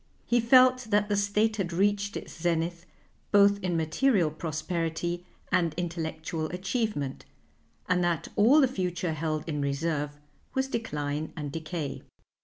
He felt that the State had reached its zenith both in material prosperity and intellectual achievement, and that all the future held in reserve was decline and decay.